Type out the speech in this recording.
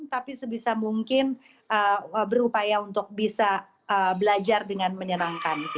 tapi sebisa mungkin berupaya untuk bisa belajar dengan menyenangkan